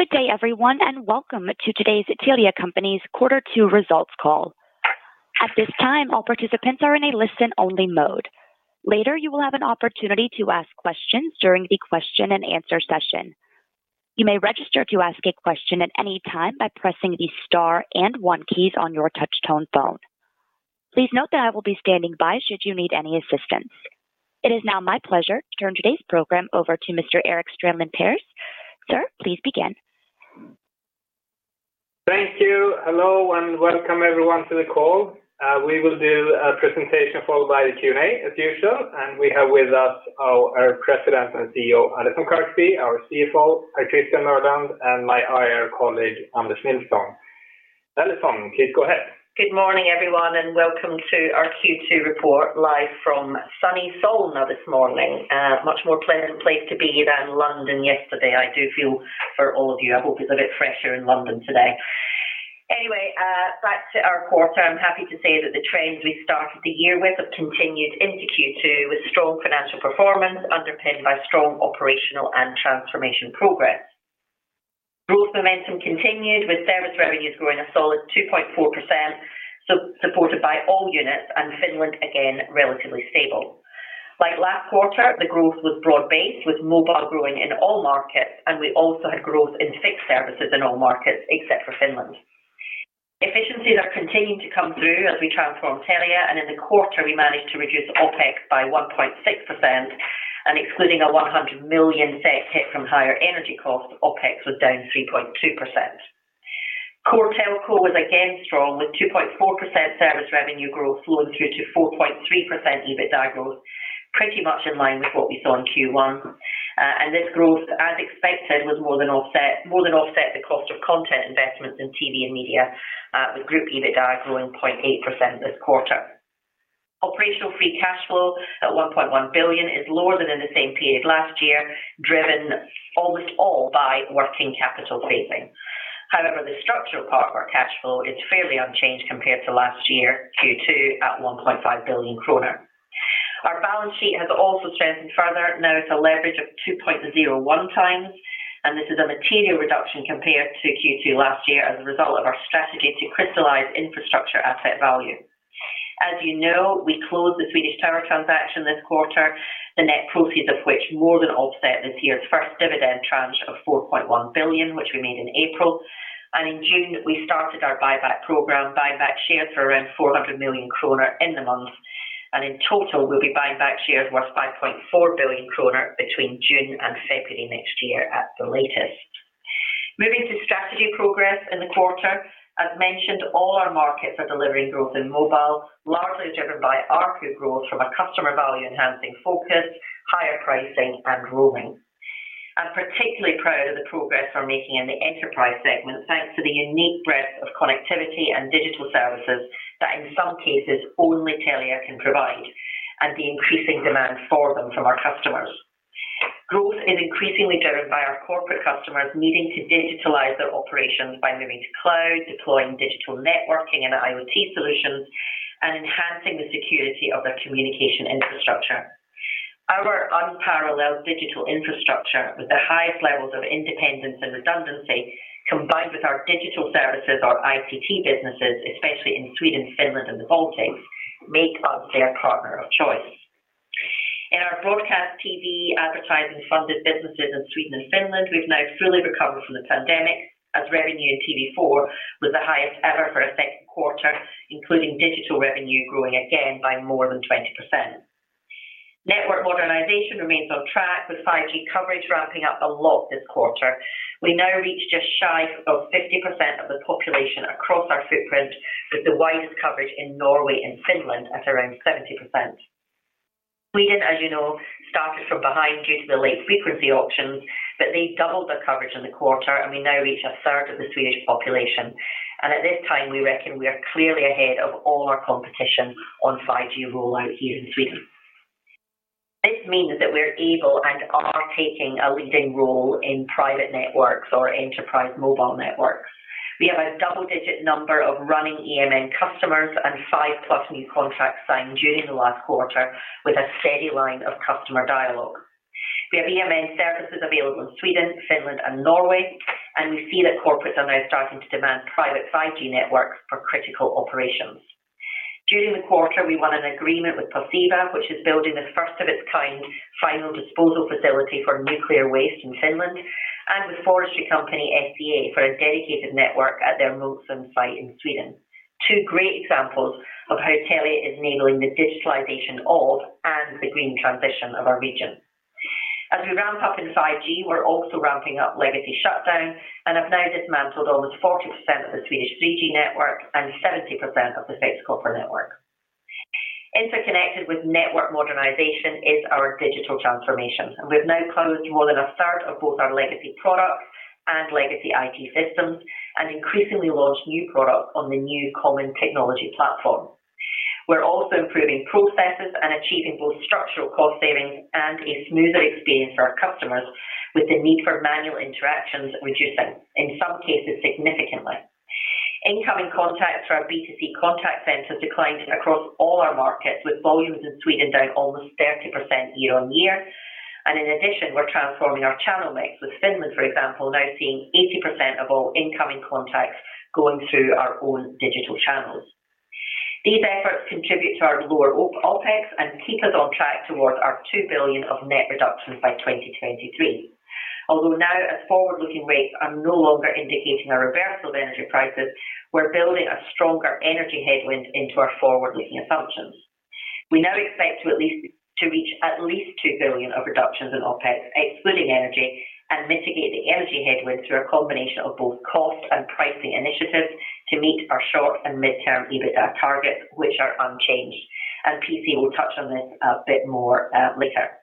Good day everyone, and welcome to today's Telia Company's Q2 results call. At this time, all participants are in a listen-only mode. Later, you will have an opportunity to ask questions during the question and answer session. You may register to ask a question at any time by pressing the star and one keys on your touch-tone phone. Please note that I will be standing by should you need any assistance. It is now my pleasure to turn today's program over to Mr. Erik Strandin Pers. Sir, please begin. Thank you. Hello, and welcome everyone to the call. We will do a presentation followed by the Q&A as usual. We have with us our President and CEO, Allison Kirkby, our CFO, Per Christian Mørland, and my IR colleague, Anders Nilsson. Allison, please go ahead. Good morning, everyone, and welcome to our Q2 report live from sunny Solna this morning. Much more pleasant place to be than London yesterday. I do feel for all of you. I hope it's a bit fresher in London today. Anyway, back to our quarter. I'm happy to say that the trends we started the year with have continued into Q2, with strong financial performance underpinned by strong operational and transformation progress. Growth momentum continued, with service revenues growing a solid 2.4%, supported by all units, and Finland again relatively stable. Like last quarter, the growth was broad-based, with mobile growing in all markets, and we also had growth in fixed services in all markets except for Finland. Efficiencies are continuing to come through as we transform Telia, and in the quarter, we managed to reduce OpEx by 1.6%. Excluding a 100 million hit from higher energy costs, OpEx was down 3.2%. Core Telco was again strong, with 2.4% service revenue growth flowing through to 4.3% EBITDA growth, pretty much in line with what we saw in Q1. This growth, as expected, was more than offset the cost of content investments in TV & Media, with group EBITDA growing 0.8% this quarter. Operational free cash flow at 1.1 billion is lower than in the same period last year, driven almost all by working capital phasing. However, the structural part of our cash flow is fairly unchanged compared to last year, Q2 at 1.5 billion kronor. Our balance sheet has also strengthened further. Now it's a leverage of 2.01x, and this is a material reduction compared to Q2 last year as a result of our strategy to crystallize infrastructure asset value. As you know, we closed the Swedish tower transaction this quarter, the net proceeds of which more than offset this year's first dividend tranche of 4.1 billion, which we made in April. In June, we started our buyback program, buying back shares for around 400 million kronor in the month. In total, we'll be buying back shares worth 5.4 billion kronor between June and February next year at the latest. Moving to strategy progress in the quarter. As mentioned, all our markets are delivering growth in mobile, largely driven by ARPU growth from a customer value enhancing focus, higher pricing, and roaming. I'm particularly proud of the progress we're making in the enterprise segment, thanks to the unique breadth of connectivity and digital services that in some cases only Telia can provide, and the increasing demand for them from our customers. Growth is increasingly driven by our corporate customers needing to digitalize their operations by moving to cloud, deploying digital networking and IoT solutions, and enhancing the security of their communication infrastructure. Our unparalleled digital infrastructure with the highest levels of independence and redundancy, combined with our digital services or ICT businesses, especially in Sweden, Finland, and the Baltics, make us their partner of choice. In our broadcast TV advertising-funded businesses in Sweden and Finland, we've now fully recovered from the pandemic as revenue in TV4 was the highest ever for a Q2, including digital revenue growing again by more than 20%. Network modernization remains on track with 5G coverage ramping up a lot this quarter. We now reached just shy of 50% of the population across our footprint, with the widest coverage in Norway and Finland at around 70%. Sweden, as you know, started from behind due to the late frequency auctions, but they doubled their coverage in the quarter, and we now reach 1/3 of the Swedish population. At this time, we reckon we are clearly ahead of all our competition on 5G rollout here in Sweden. This means that we're able and are taking a leading role in private networks or enterprise mobile networks. We have a double-digit number of running EMN customers and 5+ new contracts signed during the last quarter with a steady line of customer dialogue. We have EMN services available in Sweden, Finland, and Norway, and we see that corporates are now starting to demand private 5G networks for critical operations. During the quarter, we won an agreement with Posiva, which is building the first of its kind final disposal facility for nuclear waste in Finland and with forestry company SCA for a dedicated network at their Munksund site in Sweden. Two great examples of how Telia is enabling the digitalization of and the green transition of our region. As we ramp up in 5G, we're also ramping up legacy shutdown and have now dismantled almost 40% of the Swedish 3G network and 70% of the fixed copper network. Interconnected with network modernization is our digital transformation, and we've now closed more than a third of both our legacy products and legacy IT systems and increasingly launched new products on the new common technology platform. We're also improving processes and achieving both structural cost savings and a smoother experience for our customers with the need for manual interactions reducing, in some cases, significantly. Incoming contacts for our B2C contact center declined across all our markets, with volumes in Sweden down almost 30% year-on-year. In addition, we're transforming our channel mix with Finland, for example, now seeing 80% of all incoming contacts going through our own digital channels. These efforts contribute to our lower OpEx and keep us on track towards our 2 billion of net reductions by 2023. Although now as forward-looking rates are no longer indicating a reversal of energy prices, we're building a stronger energy headwind into our forward-looking assumptions. We now expect to reach at least 2 billion of reductions in OpEx, excluding energy, and mitigate the energy headwind through a combination of both cost and pricing initiatives to meet our short and midterm EBITDA targets, which are unchanged. PC. will touch on this a bit more, later.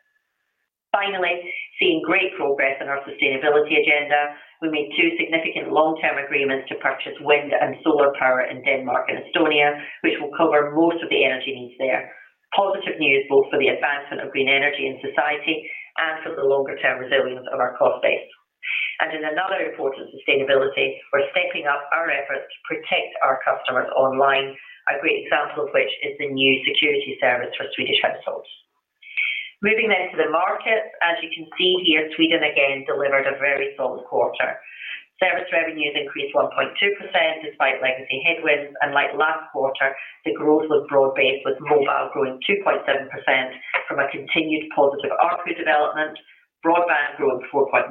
Finally, seeing great progress in our sustainability agenda. We made two significant long-term agreements to purchase wind and solar power in Denmark and Estonia, which will cover most of the energy needs there. Positive news both for the advancement of green energy in society and for the longer-term resilience of our cost base. In another important sustainability, we're stepping up our efforts to protect our customers online. A great example of which is the new security service for Swedish households. Moving then to the markets. As you can see here, Sweden again delivered a very solid quarter. Service revenues increased 1.2% despite legacy headwinds. Like last quarter, the growth was broad-based, with mobile growing 2.7% from a continued positive ARPU development. Broadband growing 4.1%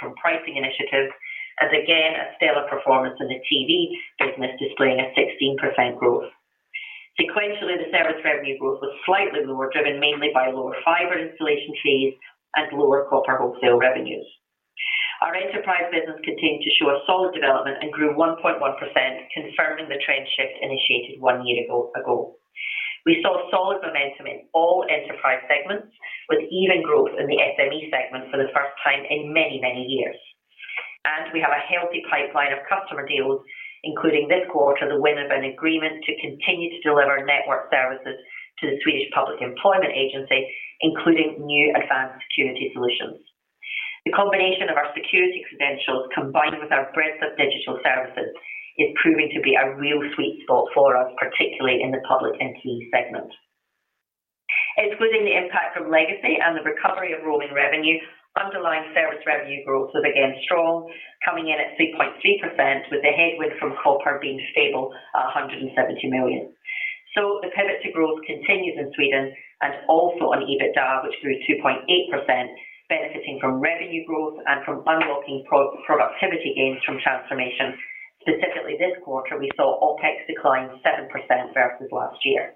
from pricing initiatives. Again, a stellar performance in the TV business, displaying a 16% growth. Sequentially, the service revenue growth was slightly lower, driven mainly by lower fiber installation fees and lower copper wholesale revenues. Our enterprise business continued to show a solid development and grew 1.1%, confirming the trend shift initiated one year ago. We saw solid momentum in all enterprise segments, with even growth in the SME segment for the first time in many, many years. We have a healthy pipeline of customer deals, including this quarter, the win of an agreement to continue to deliver network services to the Swedish Public Employment Service, including new advanced security solutions. The combination of our security credentials combined with our breadth of digital services is proving to be a real sweet spot for us, particularly in the public entity segment. Excluding the impact from legacy and the recovery of roaming revenue, underlying service revenue growth was again strong, coming in at 3.3%, with the headwind from copper being stable at 170 million. The pivot to growth continues in Sweden and also on EBITDA, which grew 2.8%, benefiting from revenue growth and from unlocking productivity gains from transformation. Specifically this quarter, we saw OpEx decline 7% versus last year.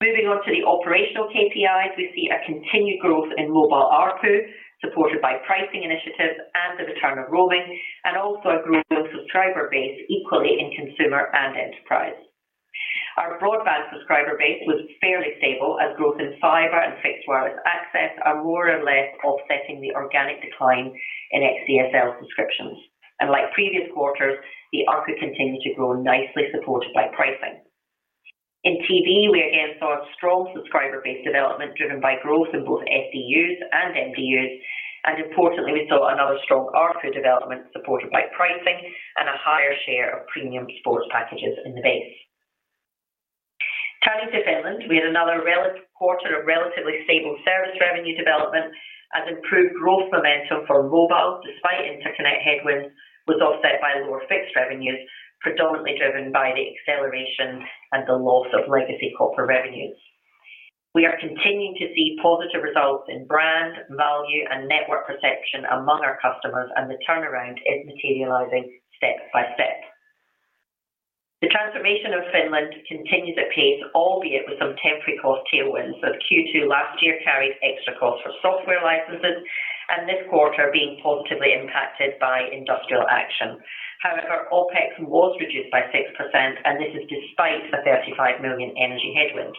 Moving on to the operational KPIs. We see a continued growth in mobile ARPU, supported by pricing initiatives and the return of roaming, and also a growing subscriber base equally in consumer and enterprise. Our broadband subscriber base was fairly stable as growth in fiber and fixed wireless access are more or less offsetting the organic decline in XDSL subscriptions. Like previous quarters, the ARPU continued to grow nicely, supported by pricing. In TV, we again saw a strong subscriber base development driven by growth in both SDUs and MDUs. Importantly, we saw another strong ARPU development supported by pricing and a higher share of premium sports packages in the base. Turning to Finland. We had another relatively stable quarter of service revenue development and improved growth momentum for mobile, despite interconnect headwinds, was offset by lower fixed revenues, predominantly driven by the acceleration and the loss of legacy copper revenues. We are continuing to see positive results in brand, value, and network perception among our customers, and the turnaround is materializing step by step. The transformation of Finland continues at pace, albeit with some temporary cost tailwinds, as Q2 last year carried extra costs for software licenses and this quarter being positively impacted by industrial action. However, OpEx was reduced by 6%, and this is despite a 35 million energy headwind.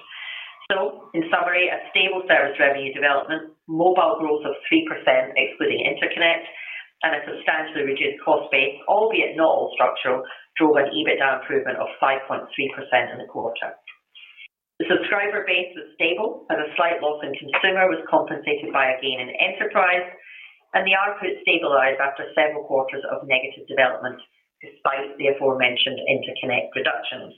In summary, a stable service revenue development, mobile growth of 3% excluding interconnect and a substantially reduced cost base, albeit not all structural, drove an EBITDA improvement of 5.3% in the quarter. The subscriber base was stable, and a slight loss in consumer was compensated by a gain in enterprise, and the ARPU stabilized after several quarters of negative development despite the aforementioned interconnect reductions.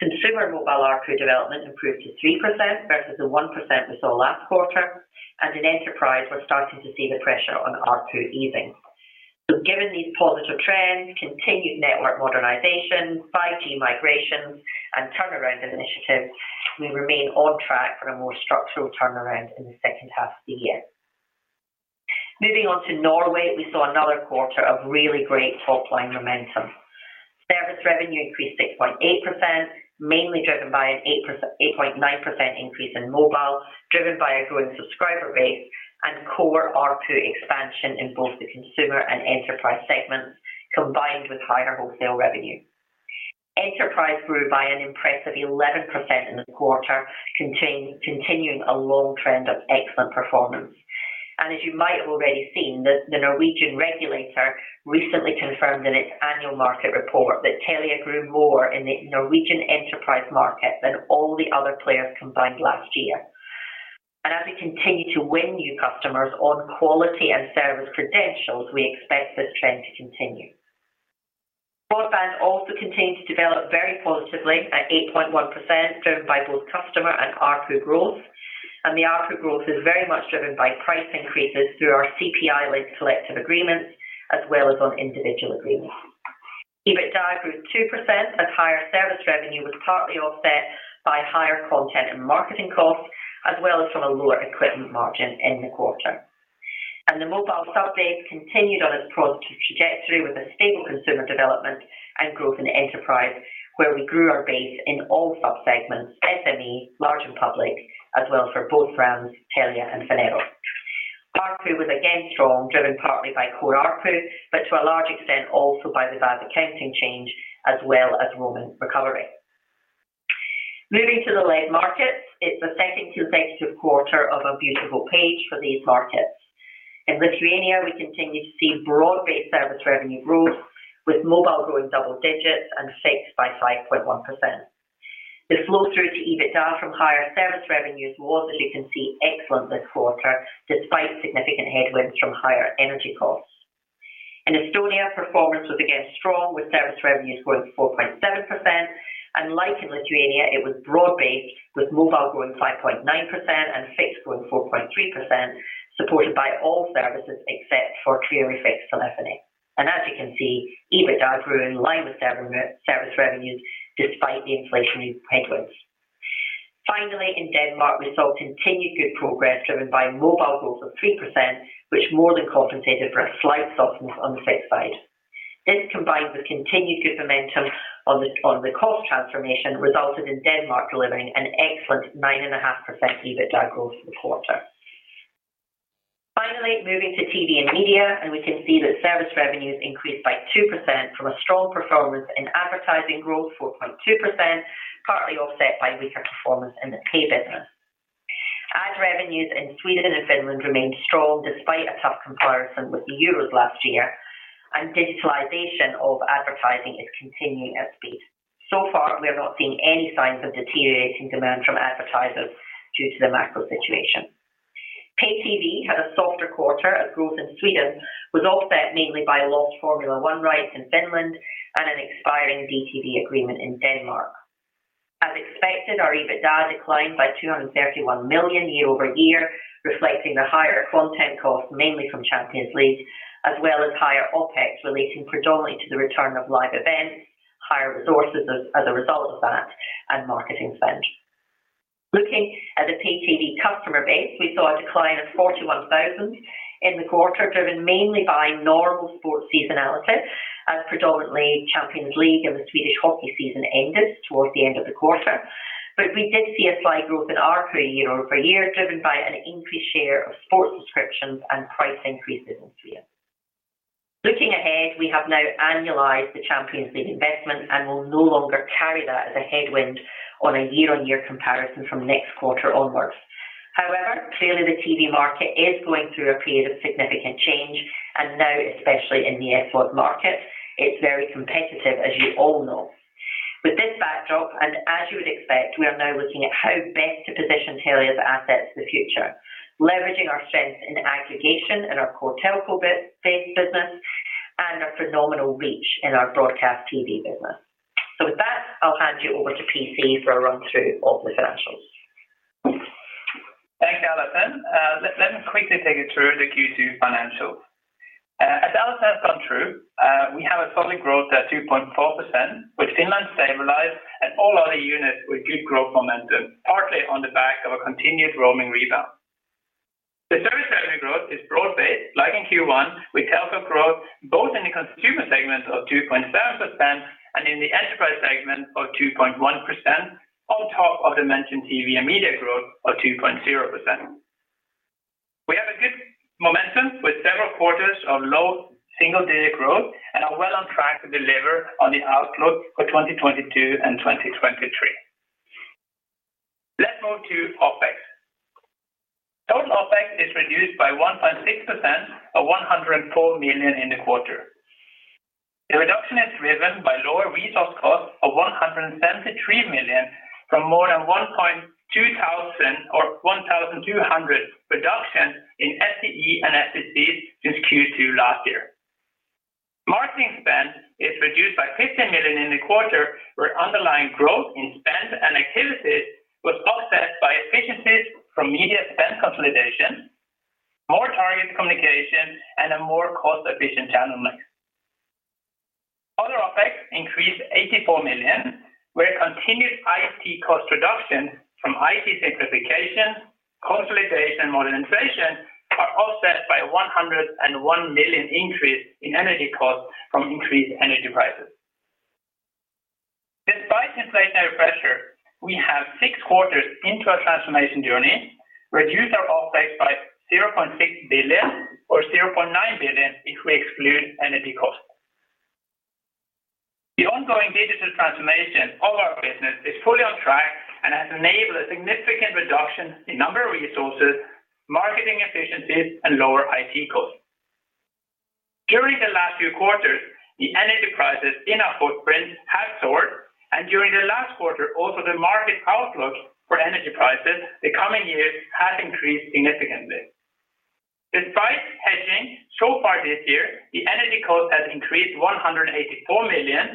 Consumer mobile ARPU development improved to 3% versus the 1% we saw last quarter. In enterprise, we're starting to see the pressure on ARPU easing. Given these positive trends, continued network modernization, 5G migrations, and turnaround initiatives, we remain on track for a more structural turnaround in the second half of the year. Moving on to Norway. We saw another quarter of really great top-line momentum. Service revenue increased 6.8%, mainly driven by an 8%, 8.9% increase in mobile, driven by a growing subscriber base and core ARPU expansion in both the consumer and enterprise segments, combined with higher wholesale revenue. Enterprise grew by an impressive 11% in the quarter, continuing a long trend of excellent performance. As you might have already seen, the Norwegian regulator recently confirmed in its annual market report that Telia grew more in the Norwegian enterprise market than all the other players combined last year. As we continue to win new customers on quality and service credentials, we expect this trend to continue. Broadband also continued to develop very positively at 8.1%, driven by both customer and ARPU growth. The ARPU growth is very much driven by price increases through our CPI-linked selective agreements as well as on individual agreements. EBITDA grew 2% as higher service revenue was partly offset by higher content and marketing costs, as well as from a lower equipment margin in the quarter. The mobile subbase continued on its positive trajectory with a stable consumer development and growth in enterprise, where we grew our base in all sub-segments, SME, large and public, as well for both brands, Telia and Phonero. ARPU was again strong, driven partly by core ARPU, but to a large extent also by the VAS accounting change as well as roaming recovery. Moving to the lead markets, it's the second consecutive quarter of a beautiful pace for these markets. In Lithuania, we continue to see broad-based service revenue growth, with mobile growing double digits and fixed by 5.1%. The flow through to EBITDA from higher service revenues was, as you can see, excellent this quarter, despite significant headwinds from higher energy costs. In Estonia, performance was again strong, with service revenues growing 4.7%. Like in Lithuania, it was broad-based, with mobile growing 5.9% and fixed growing 4.3%, supported by all services except for clear fixed telephony. As you can see, EBITDA grew in line with service revenues despite the inflationary headwinds. Finally, in Denmark, we saw continued good progress driven by mobile growth of 3%, which more than compensated for a slight softness on the fixed side. This, combined with continued good momentum on the cost transformation, resulted in Denmark delivering an excellent 9.5% EBITDA growth for the quarter. Finally, moving to TV and media, we can see that service revenues increased by 2% from a strong performance in advertising growth, 4.2%, partly offset by weaker performance in the pay business. Ad revenues in Sweden and Finland remained strong despite a tough comparison with the Euros last year, and digitalization of advertising is continuing at speed. Far, we are not seeing any signs of deteriorating demand from advertisers due to the macro situation. Pay TV had a softer quarter as growth in Sweden was offset mainly by lost Formula One rights in Finland and an expiring DTT agreement in Denmark. As expected, our EBITDA declined by 231 million year-over-year, reflecting the higher content costs, mainly from Champions League, as well as higher OpEx relating predominantly to the return of live events, higher resources as a result of that, and marketing spend. Looking at the Pay TV customer base, we saw a decline of 41,000 in the quarter, driven mainly by normal sports seasonality as predominantly Champions League and the Swedish hockey season ended towards the end of the quarter. We did see a slight growth in ARPU year-over-year, driven by an increased share of sports subscriptions and price increases in Sweden. Looking ahead, we have now annualized the Champions League investment and will no longer carry that as a headwind on a year-on-year comparison from next quarter onwards. However, clearly the TV market is going through a period of significant change and now, especially in the SVOD market, it's very competitive, as you all know. With this backdrop, and as you would expect, we are now looking at how best to position Telia's assets in the future, leveraging our strengths in aggregation in our core telco-based business and a phenomenal reach in our broadcast TV business. With that, I'll hand you over to PC for a run-through of the financials. Thanks, Allison. Let me quickly take you through the Q2 financials. As Allison has gone through, we have a solid growth at 2.4%, with Finland stabilized and all other units with good growth momentum, partly on the back of a continued roaming rebound. The service revenue growth is broad-based, like in Q1, with telco growth both in the consumer segment of 2.7% and in the enterprise segment of 2.1%, on top of the mentioned TV & Media growth of 2.0%. We have a good momentum with several quarters of low single-digit growth and are well on track to deliver on the outlook for 2022 and 2023. Let's move to OpEx. Total OpEx is reduced by 1.6% or 104 million in the quarter. The reduction is driven by lower resource costs of 173 million from more than 1,200 reduction in FTEs since Q2 last year. Marketing spend is reduced by 15 million in the quarter, where underlying growth in spend and activities was offset by efficiencies from media spend consolidation, more targeted communication, and a more cost-efficient channel mix. Other OpEx increased 84 million, where continued IT cost reduction from IT simplification, consolidation, and modernization are offset by 101 million increase in energy costs from increased energy prices. Despite inflationary pressure, we have, 6 quarters into our transformation journey, reduced our OpEx by 0.6 billion or 0.9 billion if we exclude energy costs. The ongoing digital transformation of our business is fully on track and has enabled a significant reduction in number of resources, marketing efficiencies, and lower IT costs. During the last few quarters, the energy prices in our footprint have soared, and during the last quarter also the market outlook for energy prices the coming years has increased significantly. Despite hedging so far this year, the energy cost has increased 184 million.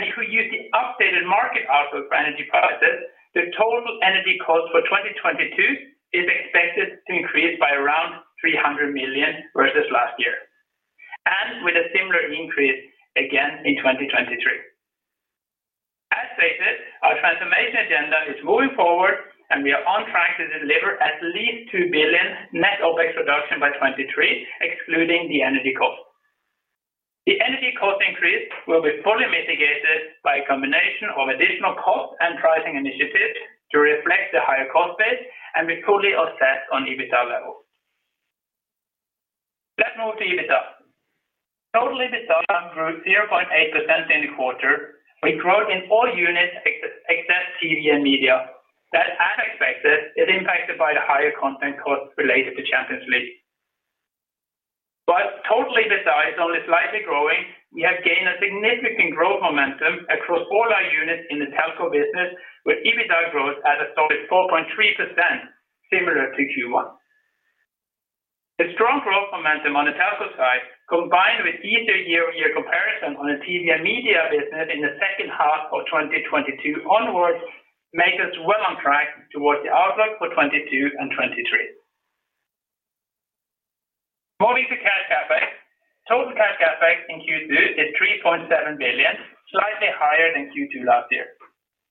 If we use the updated market outlook for energy prices, the total energy cost for 2022 is expected to increase by around 300 million versus last year, and with a similar increase again in 2023. As stated, our transformation agenda is moving forward and we are on track to deliver at least 2 billion net OpEx reduction by 2023, excluding the energy cost. The energy cost increase will be fully mitigated by a combination of additional cost and pricing initiatives to reflect the higher cost base and be fully offset on EBITDA level. Let's move to EBITDA. Total EBITDA grew 0.8% in the quarter. We grew in all units except TV & Media that as expected is impacted by the higher content costs related to Champions League. Total EBITDA is only slightly growing. We have gained a significant growth momentum across all our units in the telco business, with EBITDA growth at a solid 4.3% similar to Q1. The strong growth momentum on the telco side, combined with easier year-over-year comparison on the TV & Media business in the second half of 2022 onwards makes us well on track towards the outlook for 2022 and 2023. Moving to cash CapEx. Total cash CapEx in Q2 is 3.7 billion, slightly higher than Q2 last year.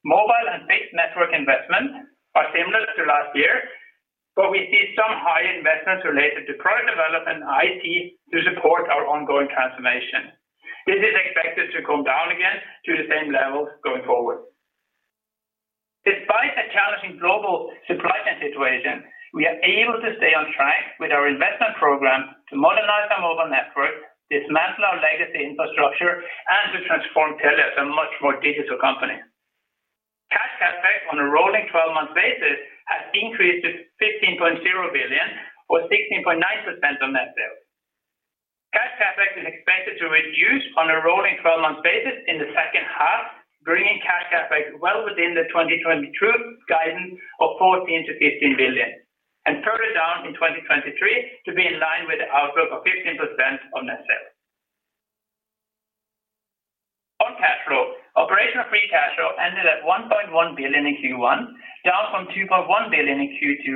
Mobile and fixed network investments are similar to last year, but we see some high investments related to product development and IT to support our ongoing transformation. This is expected to come down again to the same level going forward. Despite the challenging global supply chain situation, we are able to stay on track with our investment program to modernize our mobile network, dismantle our legacy infrastructure, and to transform Telia to a much more digital company. Cash CapEx on a rolling twelve months basis has increased to 15.0 billion or 16.9% of net sales. Cash CapEx is expected to reduce on a rolling twelve months basis in the second half, bringing cash CapEx well within the 2022 guidance of 14 billion-15 billion and further down in 2023 to be in line with the outlook of 15% of net sales. On cash flow, operational free cash flow ended at 1.1 billion in Q1, down from 2.1 billion in Q2.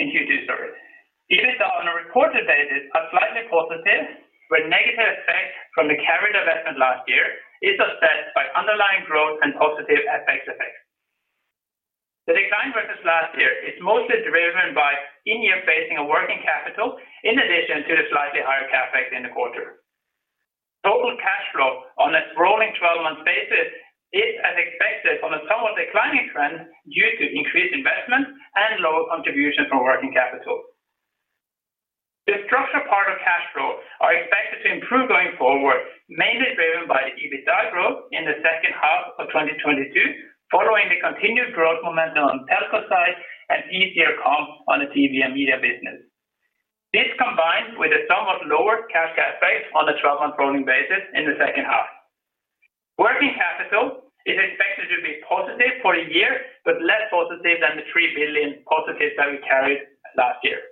EBITDA on a reported basis are slightly positive, where negative effects from the carrier divestment last year is offset by underlying growth and positive FX effects. The decline versus last year is mostly driven by in-year phasing of working capital in addition to the slightly higher CapEx in the quarter. Total cash flow on a rolling twelve months basis is as expected on a somewhat declining trend due to increased investment and lower contribution from working capital. The structural part of cash flow are expected to improve going forward, mainly driven by the EBITDA growth in the second half of 2022, following the continued growth momentum on telco side and easier comps on the TV & Media business. This combines with a somewhat lower cash CapEx on the twelve month rolling basis in the second half. Working capital is expected to be positive for the year, but less positive than the 3 billion positive that we carried last year.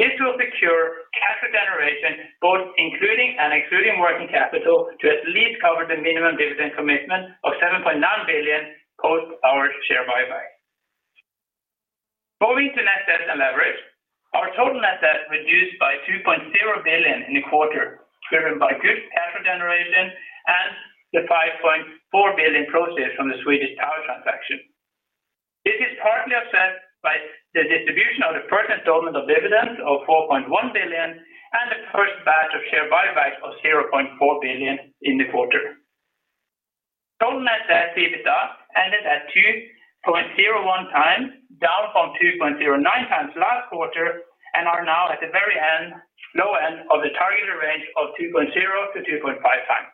This will secure cash generation both including and excluding working capital to at least cover the minimum dividend commitment of 7.9 billion post our share buyback. Moving to net debt and leverage. Our total net debt reduced by 2.0 billion in the quarter, driven by good cash flow generation and the 5.4 billion proceeds from the Swedish Tower transaction. This is partly offset by the distribution of the first installment of dividend of 4.1 billion and the first batch of share buybacks of 0.4 billion in the quarter. Total net debt to EBITDA ended at 2.01 times, down from 2.09 times last quarter, and are now at the very end, low end of the targeted range of 2.0-2.5 times.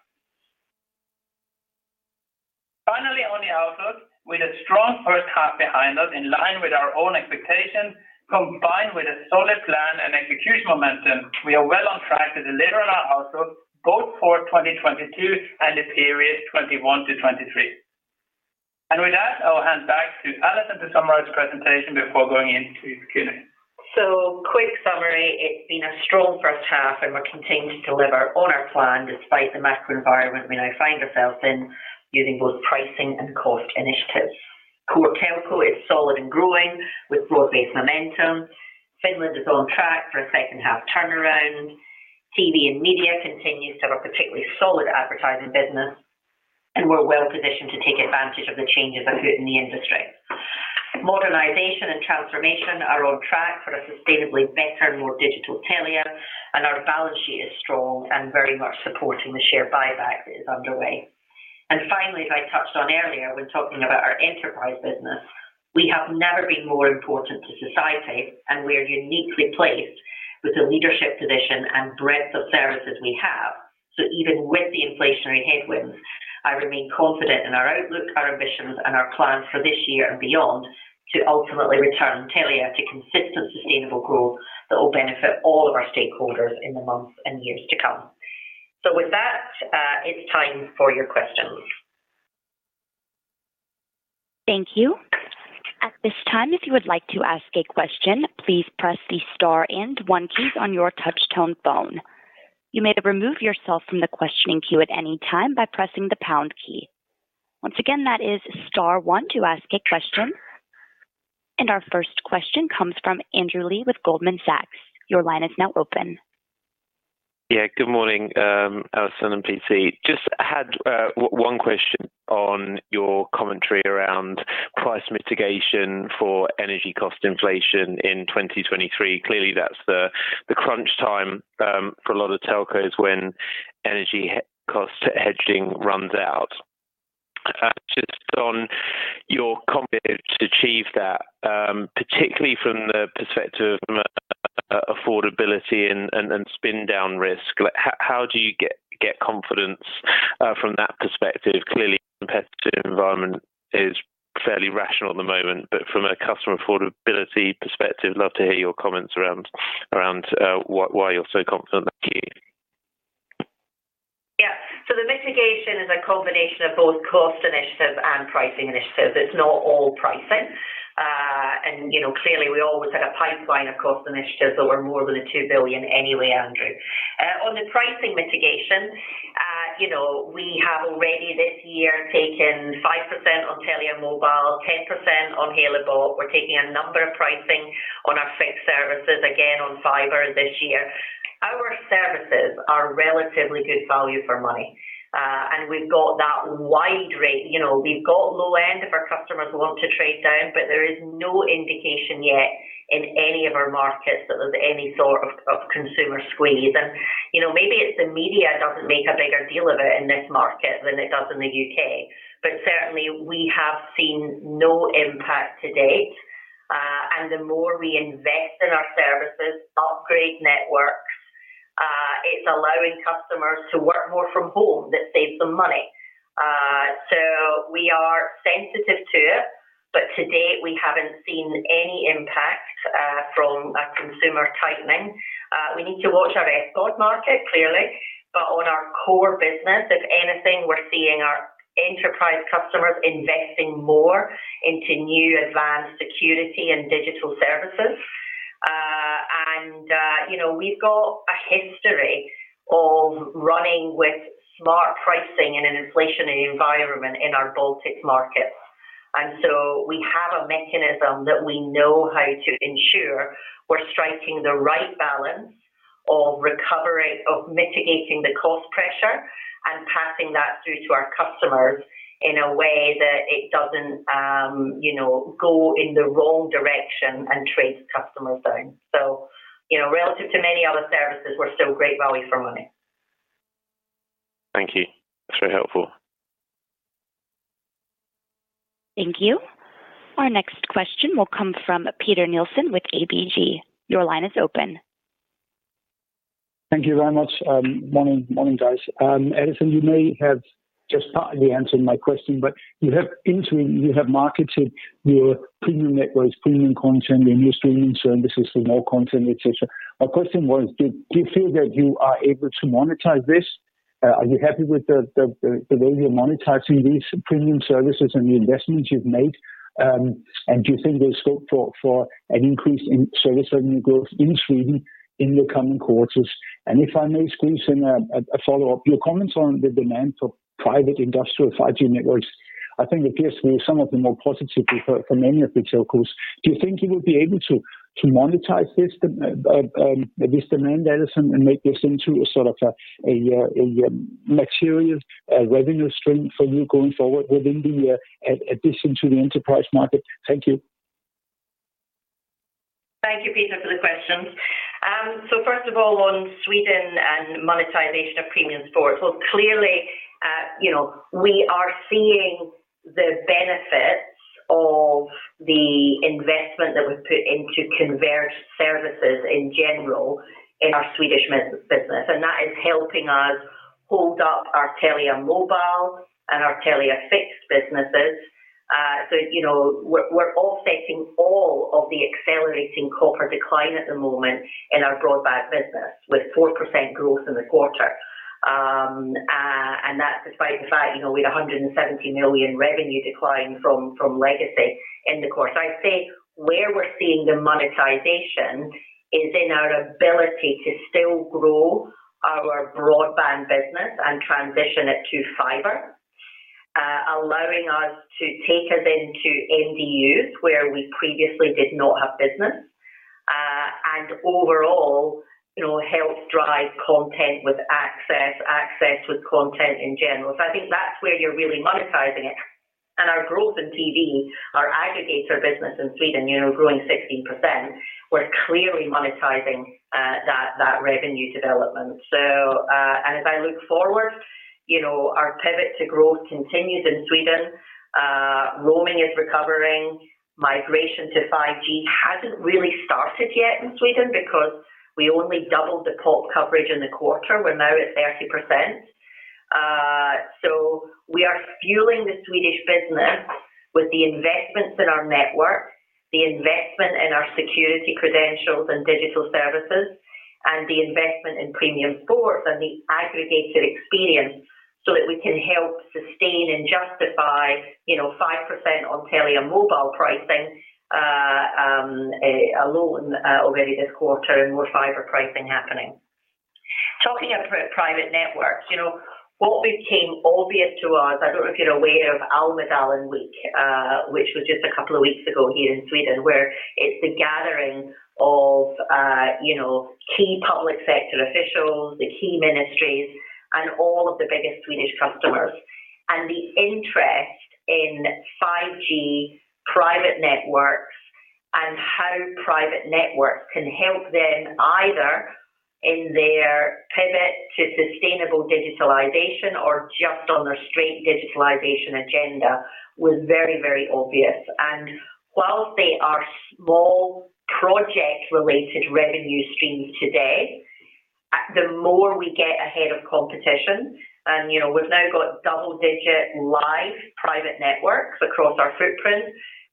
Finally, on the outlook. With a strong first half behind us in line with our own expectations, combined with a solid plan and execution momentum, we are well on track to deliver on our outlook both for 2022 and the period 2021-2023. With that, I'll hand back to Allison to summarize presentation before going into Q&A. Quick summary. It's been a strong first half, and we're continuing to deliver on our plan despite the macro environment we now find ourselves in using both pricing and cost initiatives. Core Telco is solid and growing with broad-based momentum. Finland is on track for a second-half turnaround. TV & Media continues to have a particularly solid advertising business, and we're well positioned to take advantage of the changes afoot in the industry. Modernization and transformation are on track for a sustainably better, more digital Telia, and our balance sheet is strong and very much supporting the share buyback that is underway. Finally, as I touched on earlier when talking about our enterprise business, we have never been more important to society, and we are uniquely placed with the leadership position and breadth of services we have. Even with the inflationary headwinds, I remain confident in our outlook, our ambitions, and our plans for this year and beyond to ultimately return Telia to consistent, sustainable growth that will benefit all of our stakeholders in the months and years to come. With that, it's time for your questions. Thank you. At this time, if you would like to ask a question, please press the star and one key on your touch tone phone. You may remove yourself from the questioning queue at any time by pressing the pound key. Once again, that is star one to ask a question. Our first question comes from Andrew Lee with Goldman Sachs. Your line is now open. Yeah, good morning, Allison and PC. Just had one question on your commentary around price mitigation for energy cost inflation in 2023. Clearly, that's the crunch time for a lot of telcos when energy cost hedging runs out. Just on your confidence to achieve that, particularly from the perspective of affordability and spin down risk. How do you get confidence from that perspective? Clearly, competitive environment is fairly rational at the moment, but from a customer affordability perspective, love to hear your comments around why you're so confident. Thank you. Yeah. The mitigation is a combination of both cost initiatives and pricing initiatives. It's not all pricing. you know, clearly, we always had a pipeline of cost initiatives that were more than 2 billion anyway, Andrew. On pricing mitigation, you know, we have already this year taken 5% on Telia Mobile, 10% on Halebop. We're taking a number of pricing on our fixed services again on fiber this year. Our services are relatively good value for money, and we've got that wide range. You know, we've got low end if our customers want to trade down, but there is no indication yet in any of our markets that there's any sort of consumer squeeze. you know, maybe it's the media doesn't make a bigger deal of it in this market than it does in the UK. Certainly we have seen no impact to date. The more we invest in our services, upgrade networks, it's allowing customers to work more from home. That saves them money. We are sensitive to it, but to date, we haven't seen any impact from a consumer tightening. We need to watch our SVOD market, clearly. On our core business, if anything, we're seeing our enterprise customers investing more into new advanced security and digital services. You know, we've got a history of running with smart pricing in an inflationary environment in our Baltic markets. We have a mechanism that we know how to ensure we're striking the right balance of recovery, of mitigating the cost pressure and passing that through to our customers in a way that it doesn't, you know, go in the wrong direction and trade customers down. You know, relative to many other services, we're still great value for money. Thank you. That's very helpful. Thank you. Our next question will come from Peter Nielsen with ABG. Your line is open. Thank you very much. Morning, guys. Allison Kirkby, you may have just partly answered my question, but you have, in Sweden, you have marketed your premium networks, premium content, your new streaming services for more content, et cetera. My question was, do you feel that you are able to monetize this? Are you happy with the way you're monetizing these premium services and the investments you've made? And do you think there's scope for an increase in service revenue growth in Sweden in the coming quarters? If I may squeeze in a follow-up. Your comments on the demand for private industrial 5G networks, I think appears to be some of the more positive for many of the telcos. Do you think you will be able to to monetize this demand, Allison Kirkby, and make this into a sort of a material revenue stream for you going forward within the addition to the enterprise market? Thank you. Thank you, Peter, for the questions. First of all, on Sweden and monetization of premium sports. Well, clearly, you know, we are seeing the benefits of the investment that we've put into converged services in general in our Swedish business, and that is helping us hold up our Telia Mobile and our Telia Fixed businesses. You know, we're offsetting all of the accelerating copper decline at the moment in our broadband business with 4% growth in the quarter. That despite the fact, you know, we had 170 million revenue decline from legacy in the quarter. I'd say where we're seeing the monetization is in our ability to still grow our broadband business and transition it to fiber, allowing us to take us into MDUs where we previously did not have business, and overall, you know, help drive content with access with content in general. I think that's where you're really monetizing it. Our growth in TV, our aggregator business in Sweden, you know, growing 16%, we're clearly monetizing that revenue development. As I look forward, you know, our pivot to growth continues in Sweden. Roaming is recovering. Migration to 5G hasn't really started yet in Sweden because we only doubled the pop coverage in the quarter. We're now at 30%. We are fueling the Swedish business with the investments in our network, the investment in our security credentials and digital services, and the investment in premium sports and the aggregated experience so that we can help sustain and justify, you know, 5% on Telia Mobile pricing, a loan, already this quarter and more fiber pricing happening. Talking of private networks, you know, what became obvious to us, I don't know if you're aware of Almedalen Week, which was just a couple of weeks ago here in Sweden, where it's the gathering of, you know, key public sector officials, the key ministries, and all of the biggest Swedish customers. The interest in 5G private networks and how private networks can help them either in their pivot to sustainable digitalization or just on their straight digitalization agenda was very, very obvious. While they are small project-related revenue streams today, the more we get ahead of competition and, you know, we've now got double-digit live private networks across our footprint.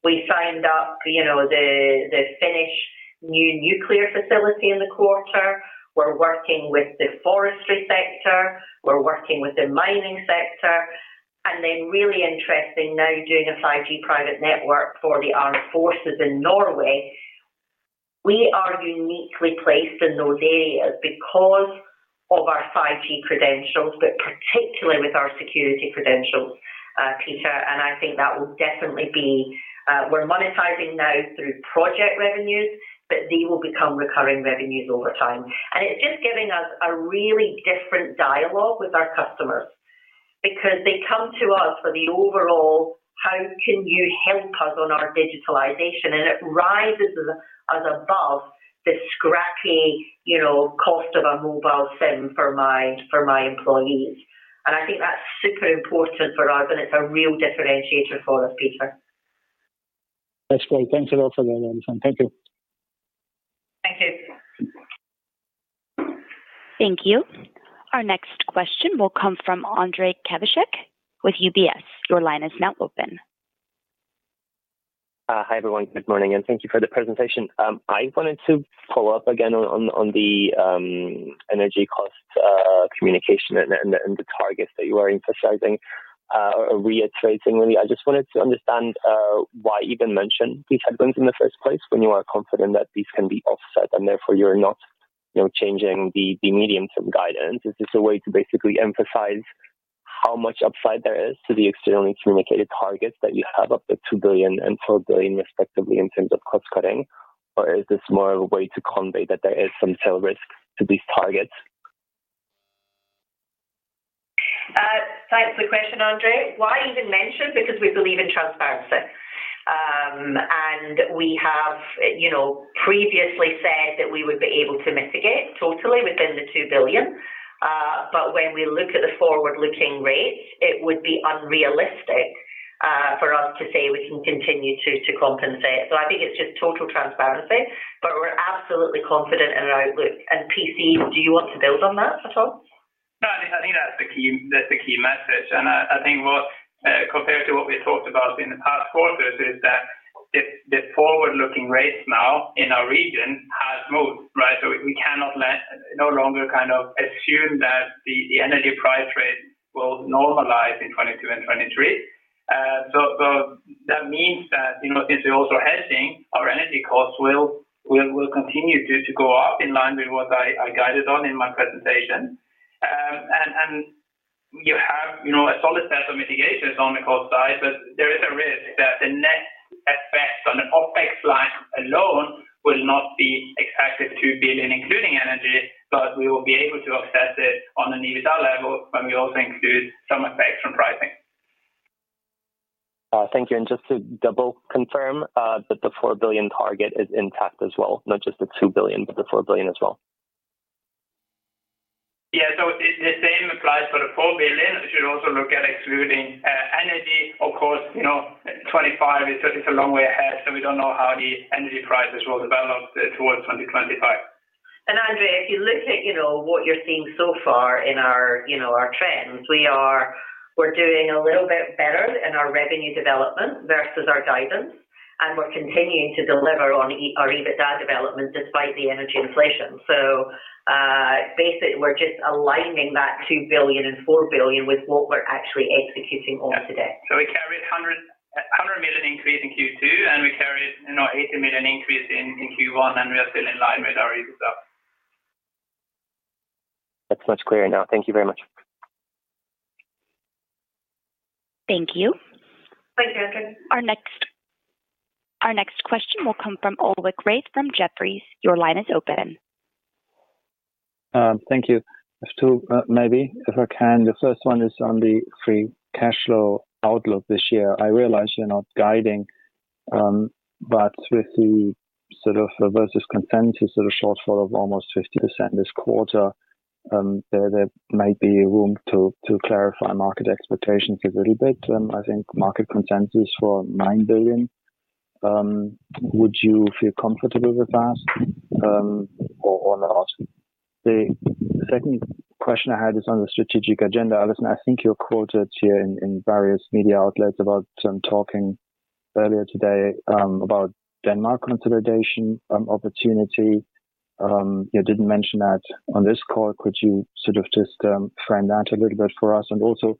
We signed up, you know, the Finnish new nuclear facility in the quarter. We're working with the forestry sector. We're working with the mining sector. Really interesting now doing a 5G private network for the Norwegian Armed Forces. We are uniquely placed in those areas because of our 5G credentials, but particularly with our security credentials, Peter. I think that will definitely be. We're monetizing now through project revenues, but they will become recurring revenues over time. It's just giving us a really different dialogue with our customers because they come to us for the overall, "How can you help us on our digitalization?" It rises as above the scrappy, you know, cost of a mobile SIM for my employees. I think that's super important for us, and it's a real differentiator for us, Peter. That's great. Thanks a lot for that, Alison. Thank you. Thank you. Thank you. Our next question will come from Ondrej Cabejšek with UBS. Your line is now open. Hi, everyone. Good morning, and thank you for the presentation. I wanted to follow up again on the energy cost communication and the targets that you are emphasizing or reiterating really. I just wanted to understand why even mention these headwinds in the first place when you are confident that these can be offset and therefore you're not, you know, changing the medium-term guidance. Is this a way to basically emphasize how much upside there is to the externally communicated targets that you have up to 2 billion and 4 billion respectively in terms of cost cutting? Or is this more of a way to convey that there is some tail risk to these targets? Thanks for the question, Ondrej. Why even mention? Because we believe in transparency. We have, you know, previously said that we would be able to mitigate totally within 2 billion. But when we look at the forward-looking rates, it would be unrealistic for us to say we can continue to compensate. I think it's just total transparency, but we're absolutely confident in our outlook. And PC, do you want to build on that at all? No, I think that's the key message. I think what, compared to what we talked about in the past quarters, is that the forward-looking rates now in our region has moved, right? We can no longer kind of assume that the energy price rate will normalize in 2022 and 2023. That means that, you know, since we're also hedging, our energy costs will continue to go up in line with what I guided on in my presentation. And you have, you know, a solid set of mitigations on the cost side, but there is a risk that the net effect on the OpEx line alone will not be exactly 2 billion, including energy, but we will be able to offset it on an EBITDA level when we also include some effects from pricing. Thank you. Just to double confirm, that the 4 billion target is intact as well, not just the 2 billion, but the 4 billion as well. The same applies for 4 billion. We should also look at excluding energy. Of course, you know, 2025 is just a long way ahead, so we don't know how the energy prices will develop towards 2025. And Ondrej, if you look at, you know, what you're seeing so far in our, you know, our trends, we're doing a little bit better in our revenue development versus our guidance, and we're continuing to deliver on our EBITDA development despite the energy inflation. Basically, we're just aligning that 2 billion and 4 billion with what we're actually executing on today. We carried 100 million increase in Q2, and we carried, you know, 80 million increase in Q1, and we are still in line with our EBITDA. That's much clearer now. Thank you very much. Thank you. Thank you Ondrej. Our next question will come from Ulrich Rathe from Jefferies. Your line is open. Thank you. Two, maybe if I can. The first one is on the free cash flow outlook this year. I realize you're not guiding. With the sort of versus consensus sort of shortfall of almost 50% this quarter, there might be room to clarify market expectations a little bit. I think market consensus for 9 billion. Would you feel comfortable with that, or not? The second question I had is on the strategic agenda. Allison, I think you're quoted here in various media outlets about talking earlier today about Denmark consolidation opportunity. You didn't mention that on this call. Could you sort of just frame that a little bit for us? Also,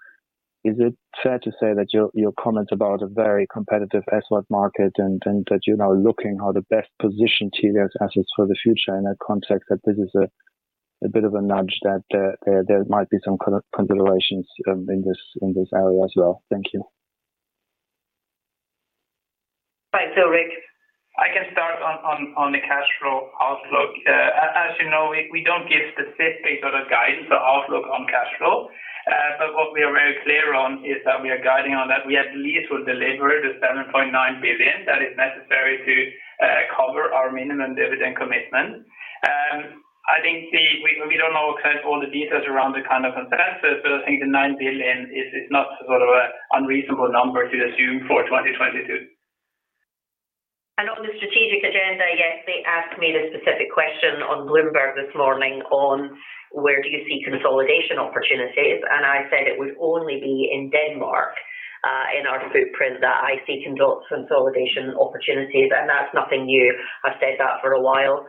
is it fair to say that your comment about a very competitive SVOD market and that you're now looking how to best position Telia's assets for the future in a context that this is a bit of a nudge that there might be some considerations in this area as well. Thank you. Hi Ulrich, I can start on the cash flow outlook. As you know, we don't give specific sort of guidance or outlook on cash flow. But what we are very clear on is that we are guiding on that we at least will deliver 7.9 billion that is necessary to cover our minimum dividend commitment. I think we don't know kind of all the details around the kind of consensus, but I think 9 billion is not sort of an unreasonable number to assume for 2022. On the strategic agenda, yes, they asked me the specific question on Bloomberg this morning on where do you see consolidation opportunities. I said it would only be in Denmark in our footprint that I see consolidation opportunities, and that's nothing new. I've said that for a while.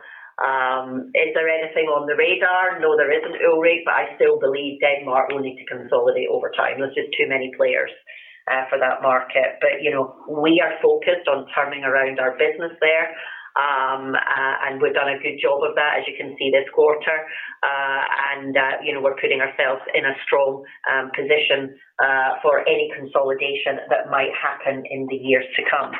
Is there anything on the radar? No, there isn't, Ulrik, but I still believe Denmark will need to consolidate over time. There's just too many players for that market. You know, we are focused on turning around our business there. We've done a good job of that, as you can see this quarter. You know, we're putting ourselves in a strong position for any consolidation that might happen in the years to come.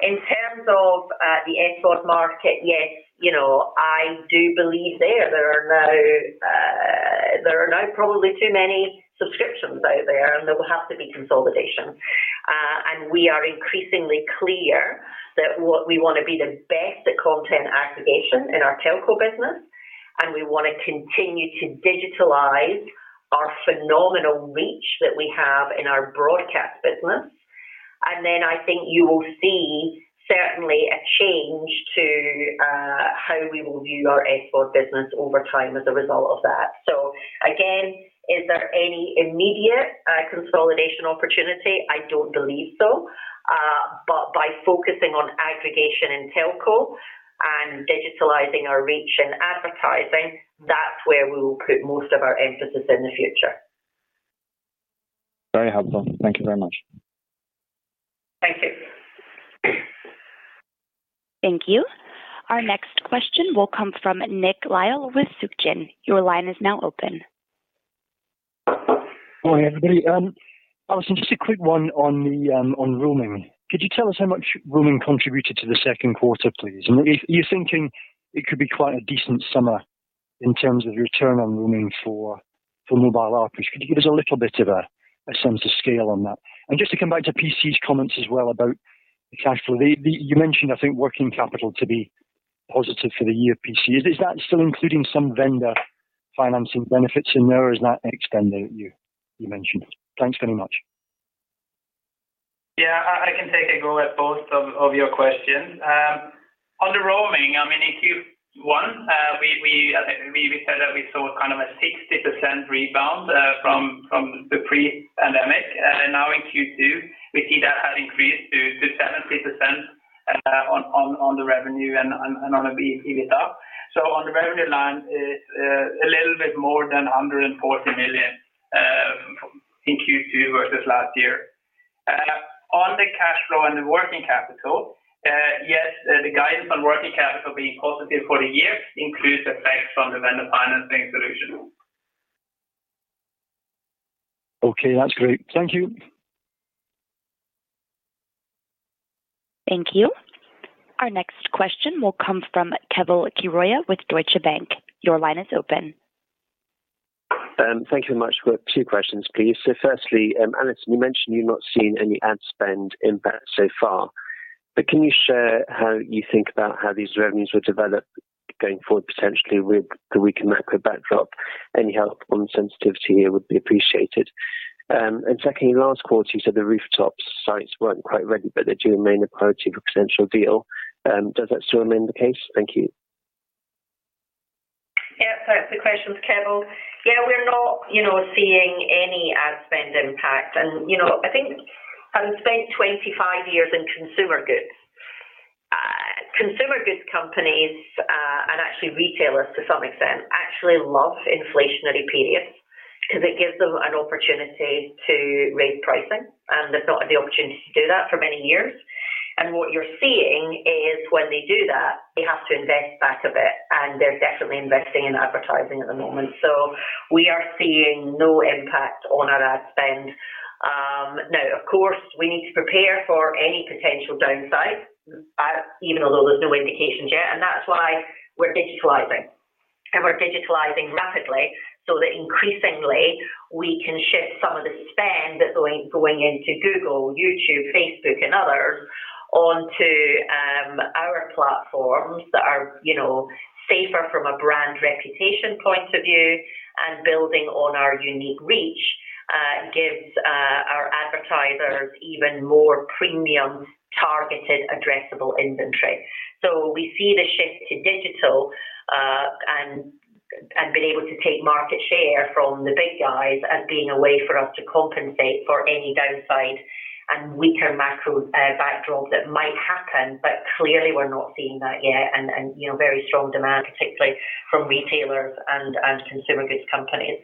In terms of the SVOD market, yes, you know, I do believe there are now probably too many subscriptions out there, and there will have to be consolidation. We are increasingly clear that what we wanna be the best at content aggregation in our telco business, and we wanna continue to digitalize our phenomenal reach that we have in our broadcast business. I think you will see certainly a change to how we will view our SVOD business over time as a result of that. Is there any immediate consolidation opportunity? I don't believe so. By focusing on aggregation in telco and digitalizing our reach in advertising, that's where we will put most of our emphasis in the future. Very helpful. Thank you very much. Thank you. Thank you. Our next question will come from Nick Lyall with Soc Gen. Your line is now open. Morning, everybody. Allison, just a quick one on the on roaming. Could you tell us how much roaming contributed to the Q2, please? If you're thinking it could be quite a decent summer in terms of return on roaming for mobile average, could you give us a little bit of a sense of scale on that? Just to come back to PC's comments as well about the cash flow. You mentioned I think working capital to be positive for the year, PC is that still including some vendor financing benefits in there or is that expanding on what you mentioned? Thanks very much. Yeah, I can take a go at both of your questions. On the roaming, I mean, in Q1, I think we said that we saw kind of a 60% rebound from the pre-pandemic. Now in Q2, we see that has increased to 70% on the revenue and on the EBITDA. So on the revenue line is a little bit more than 140 million in Q2 versus last year. On the cash flow and the working capital, yes, the guidance on working capital being positive for the year includes effects from the vendor financing solution. Okay. That's great. Thank you. Thank you. Our next question will come from Keval Khiroya with Deutsche Bank. Your line is open. Thank you very much. We've two questions, please. Firstly, Allison, you mentioned you've not seen any ad spend impact so far, but can you share how you think about how these revenues will develop going forward potentially with the weakened macro backdrop? Any help on sensitivity here would be appreciated. Secondly, last quarter you said the rooftop sites weren't quite ready, but they do remain a priority for a potential deal. Does that still remain the case? Thank you. Yeah. Thanks for the questions, Keval. Yeah. We're not, you know, seeing any ad spend impact. You know, I think having spent 25 years in consumer goods, consumer goods companies, and actually retailers to some extent actually love inflationary periods because it gives them an opportunity to raise pricing, and they've not had the opportunity to do that for many years. What you're seeing is when they do that, they have to invest back a bit, and they're definitely investing in advertising at the moment. We are seeing no impact on our ad spend. Now of course, we need to prepare for any potential downside, even though there's no indications yet, and that's why we're digitizing. We're digitizing rapidly so that increasingly we can shift some of the spend that's going into Google, YouTube, Facebook, and others onto our platforms that are, you know, safer from a brand reputation point of view. Building on our unique reach gives our advertisers even more premium targeted addressable inventory. We see the shift to digital and being able to take market share from the big guys as being a way for us to compensate for any downside and weaker macro backdrops that might happen. Clearly we're not seeing that yet, and you know, very strong demand, particularly from retailers and consumer goods companies.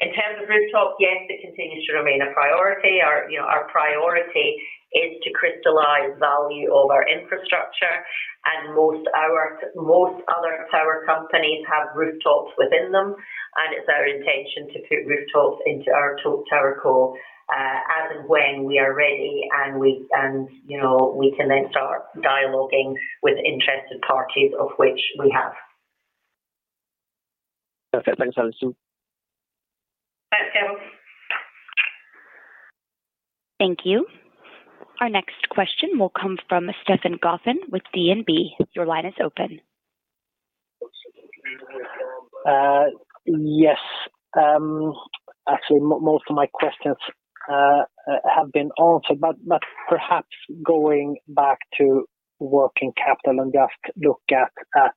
In terms of rooftop, yes, it continues to remain a priority. You know, our priority is to crystallize value of our infrastructure, and most other tower companies have rooftops within them, and it's our intention to put rooftops into our TowerCo, as and when we are ready and, you know, we can then start dialoguing with interested parties of which we have. Perfect. Thanks, Allison. Thanks, Keval. Thank you. Our next question will come from Stefan Gauffin with DNB. Your line is open. Yes. Actually, most of my questions have been answered. Perhaps going back to working capital and just look at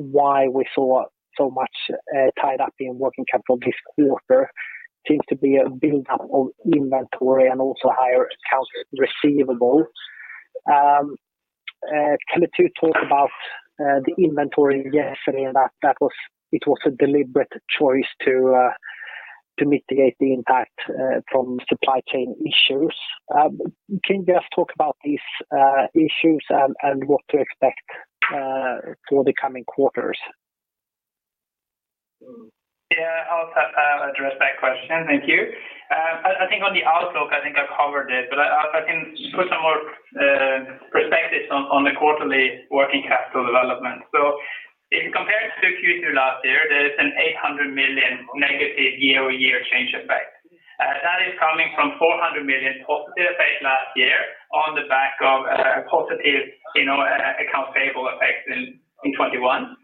why we saw so much tied up in working capital this quarter seems to be a buildup of inventory and also higher accounts receivable. Can you two talk about the inventory yesterday and that it was a deliberate choice to mitigate the impact from supply chain issues? Can you just talk about these issues and what to expect for the coming quarters? Yeah. I'll address that question. Thank you. I think on the outlook, I think I've covered it, but I can put some more perspective on the quarterly working capital development. In comparing to Q2 last year, there's a 800 million negative year-over-year change effect. That is coming from 400 million positive effect last year on the back of a positive, you know, accounts payable effect in 2021.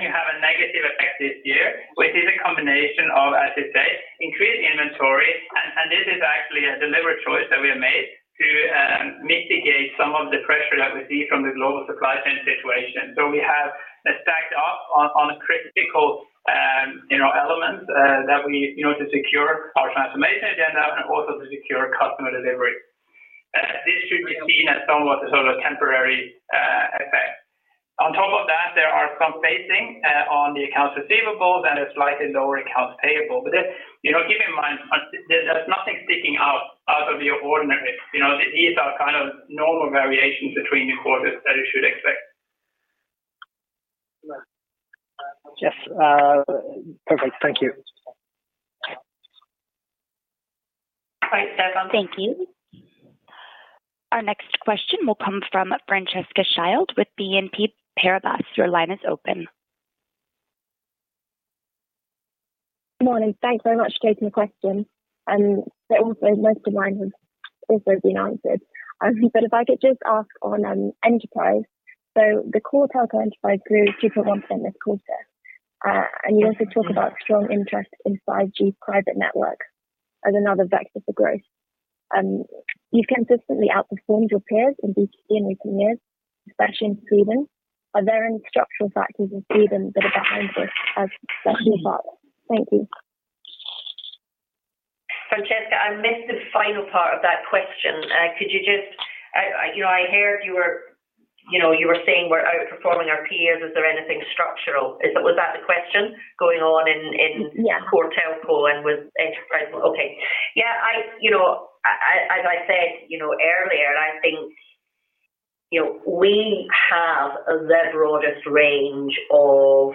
You have a negative effect this year, which is a combination of, as you say, increased inventory. This is actually a deliberate choice that we have made to mitigate some of the pressure that we see from the global supply chain situation. We have stacked up on critical, you know, elements that we, you know, to secure our transformation agenda and also to secure customer delivery. This should be seen as somewhat a sort of temporary effect. On top of that, there are some phasing on the accounts receivable and a slightly lower accounts payable. You know, keep in mind there's nothing sticking out of the ordinary. You know, these are kind of normal variations between the quarters that you should expect. Yes. Perfect. Thank you. All right. Thanks. Thank you. Our next question will come from Francesca Castelli with BNP Paribas. Your line is open. Morning. Thanks very much for taking the question. Also most of mine have also been answered. If I could just ask on enterprise. The Core Telco enterprise grew 2.1% this quarter. You also talk about strong interest in 5G private networks as another vector for growth. You've consistently outperformed your peers in B2B in recent years, especially in Sweden. Are there any structural factors in Sweden that are behind this? Thank you. Francesca, I missed the final part of that question. Could you just you know, I heard you were, you know, you were saying we're outperforming our peers. Is there anything structural? Was that the question going on in- Yeah. Core Telco and with enterprise? Okay. Yeah, I you know, as I said, you know, earlier, and I think, you know, we have the broadest range of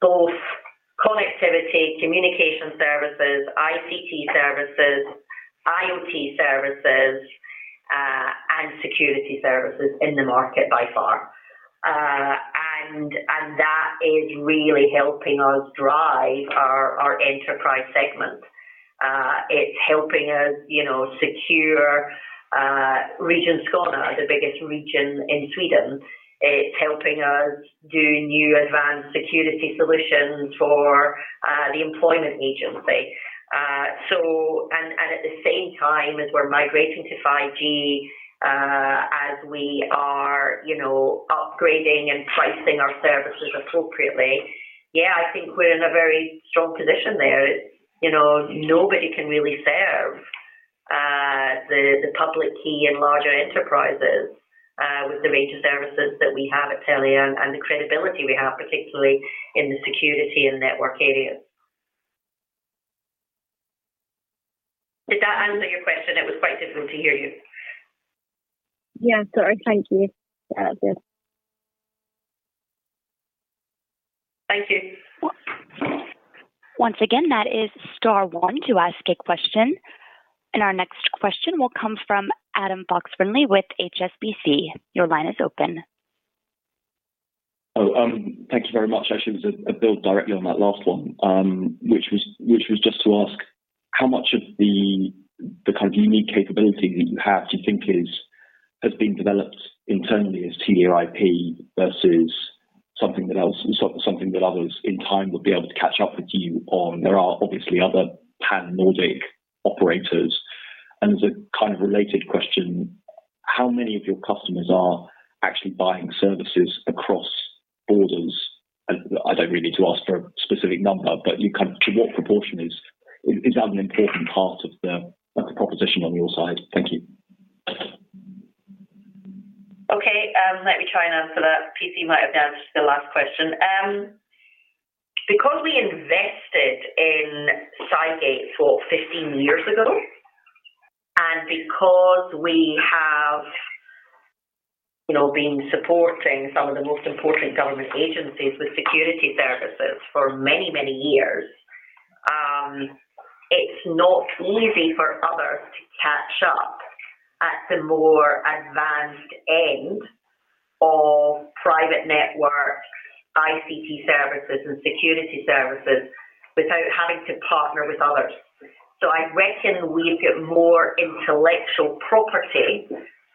both connectivity, communication services, ICT services, IoT services, and security services in the market by far. That is really helping us drive our enterprise segment. It's helping us you know, secure Region Skåne, the biggest region in Sweden. It's helping us do new advanced security solutions for the Employment Agency. At the same time, as we're migrating to 5G, as we are you know, upgrading and pricing our services appropriately, yeah, I think we're in a very strong position there. You know, nobody can really serve the public sector and larger enterprises with the range of services that we have at Telia and the credibility we have, particularly in the security and network areas. Did that answer your question? It was quite difficult to hear you. Yeah, sorry. Thank you. Yeah, that's it. Thank you. Once again, that is star one to ask a question. Our next question will come from Adam Fox-Rumley with HSBC. Your line is open. Thank you very much. Actually, it was a build directly on that last one, which was just to ask how much of the kind of unique capability that you have do you think has been developed internally as their IP versus something that others in time would be able to catch up with you on. There are obviously other Pan-Nordic operators. As a kind of related question, how many of your customers are actually buying services across borders? I don't really need to ask for a specific number, but to what proportion is that an important part of the like the proposition on your side? Thank you. Okay. Let me try and answer that. PC might have answered the last question. Because we invested in Cygate 15 years ago, and because we have, you know, been supporting some of the most important government agencies with security services for many, many years, it's not easy for others to catch up at the more advanced end of private network ICT services and security services without having to partner with others. I reckon we've got more intellectual property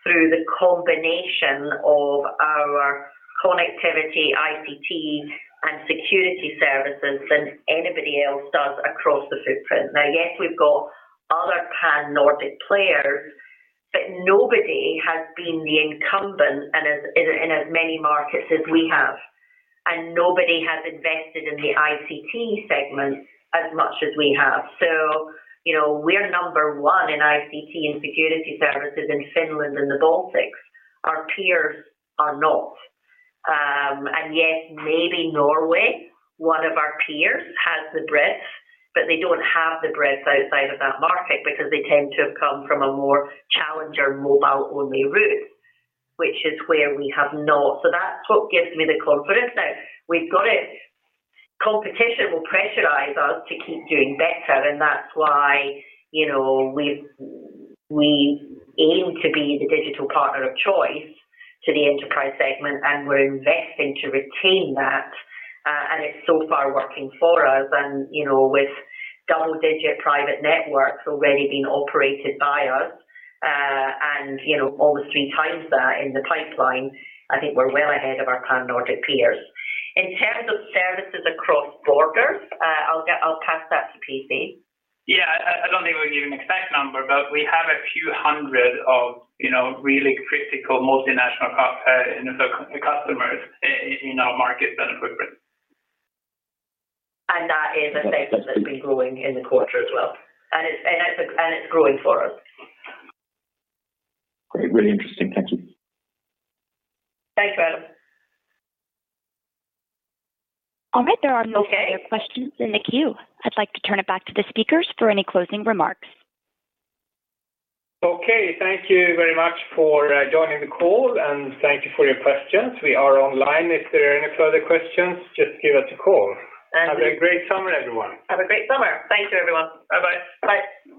through the combination of our connectivity, ICT, and security services than anybody else does across the footprint. Now, yes, we've got other Pan-Nordic players, but nobody has been the incumbent and in as many markets as we have. Nobody has invested in the ICT segment as much as we have. You know, we're number one in ICT and security services in Finland and the Baltics. Yes, maybe Norway, one of our peers, has the breadth, but they don't have the breadth outside of that market because they tend to have come from a more challenger mobile-only route, which is where we have not. That's what gives me the confidence that we've got it. Competition will pressurize us to keep doing better, and that's why, you know, we aim to be the digital partner of choice to the enterprise segment, and we're investing to retain that. It's so far working for us. You know, with double-digit private networks already being operated by us, and you know, almost three times that in the pipeline, I think we're well ahead of our Pan-Nordic peers. In terms of services across borders, I'll pass that to PC. Yeah. I don't think we give an exact number, but we have a few hundred of, you know, really critical multinational customers, you know, in our markets and equipment. That is a segment that's been growing in the quarter as well. It's growing for us. Great. Really interesting. Thank you. Thanks, Adam. All right. There are no further questions in the queue. I'd like to turn it back to the speakers for any closing remarks. Okay. Thank you very much for joining the call, and thank you for your questions. We are online. If there are any further questions, just give us a call. Thank you. Have a great summer, everyone. Have a great summer. Thank you, everyone. Bye-bye. Bye.